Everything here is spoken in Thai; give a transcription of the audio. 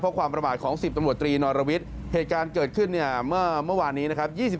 เพราะความประมาทของ๑๐ตำรวจตรีนอรวิทย์เหตุการณ์เกิดขึ้นเนี่ยเมื่อวานนี้นะครับ